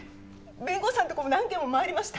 弁護士さんとこも何軒も回りました。